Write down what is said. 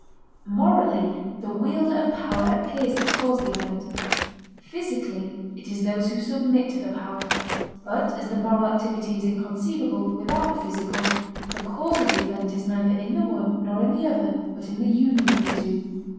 Morally the wielder of power appears to cause the event; physically it is those who submit to the power. But as the moral activity is inconceivable without the physical, the cause of the event is neither in the one nor in the other but in the union of the two.